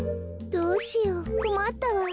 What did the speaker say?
どうしようこまったわ。